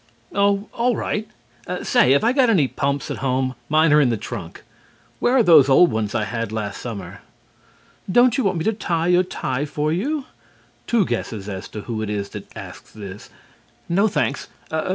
"Oh, all right. Say, have I got any pumps at home? Mine are in the trunk. Where are those old ones I had last summer?" "Don't you want me to tie your tie for you?" (Two guesses as to who it is that asks this.) "No, thanks.